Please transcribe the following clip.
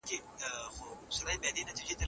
ارمان یو داسي رنګ دی چي ژوند ته ښکلا ورکوي.